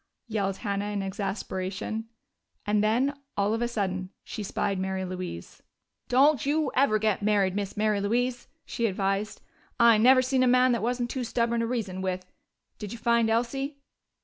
yelled Hannah in exasperation. And then, all of a sudden, she spied Mary Louise. "Don't you never get married, Miss Mary Louise," she advised. "I never seen a man that wasn't too stubborn to reason with. Did you find Elsie?"